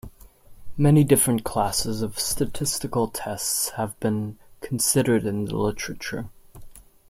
Many different classes of statistical tests have been considered in the literature.